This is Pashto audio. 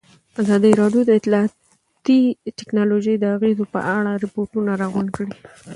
ازادي راډیو د اطلاعاتی تکنالوژي د اغېزو په اړه ریپوټونه راغونډ کړي.